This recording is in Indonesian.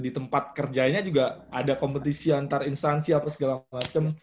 di tempat kerjanya juga ada kompetisi antar instansi apa segala macam